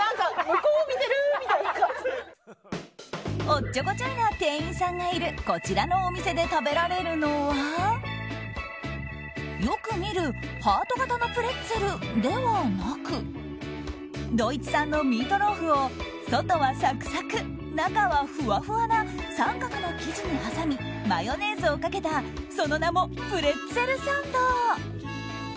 おっちょこちょいな店員さんがいるこちらのお店で食べられるのは、よく見るハート形のプレッツェルではなくドイツ産のミートローフを外はサクサク中はふわふわな三角の生地に挟みマヨネーズをかけたその名もプレッツェルサンド。